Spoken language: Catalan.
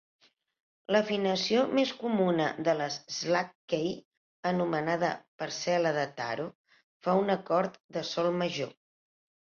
L'afinació més comuna de les slack key, anomenada "parcel·la de taro", fa un acord de sol major.